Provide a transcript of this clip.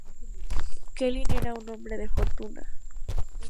Keeling era un hombre de fortuna.